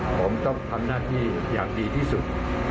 ผมต้องทำหน้าที่อย่างดีที่สุด